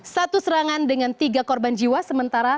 satu serangan dengan tiga korban jiwa sementara